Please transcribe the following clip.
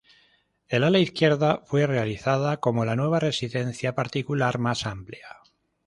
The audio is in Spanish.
El ala izquierda fue realizada como la nueva residencia particular, más amplia.